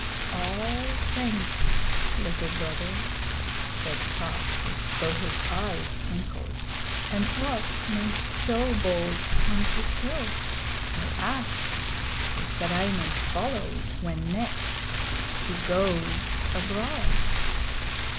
"All thanks, Little Brother," said Kaa, though his eyes twinkled. "And what may so bold a hunter kill? I ask that I may follow when next he goes abroad."